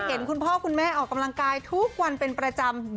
เห็นคุณพ่อคุณแม่ออกกำลังกายทุกวันเป็นประจำ